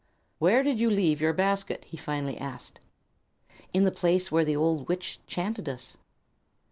"Where did you leave your basket?" he finally asked. "In the place where the old witch 'chanted us."